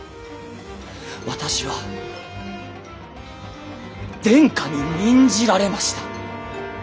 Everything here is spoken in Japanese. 私は殿下に任じられました。